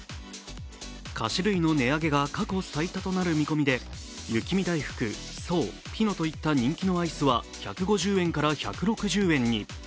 菓子類の値上げが過去最多となる見込みで雪見だいふく、爽、ピノといった人気のアイスは１５０円から１６０円に。